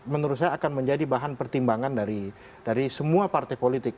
menurut saya akan menjadi bahan pertimbangan dari semua partai politik